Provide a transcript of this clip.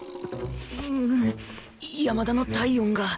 うう山田の体温が